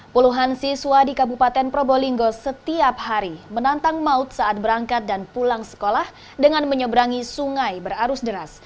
puluhan siswa di kabupaten probolinggo setiap hari menantang maut saat berangkat dan pulang sekolah dengan menyeberangi sungai berarus deras